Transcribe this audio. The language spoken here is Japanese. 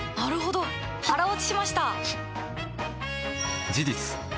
腹落ちしました！